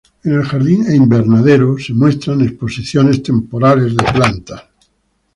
En el jardín e invernadero se muestran exposiciones temporales de plantas.